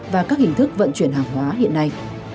và các hình thức vận chuyển hàng hóa hiện nay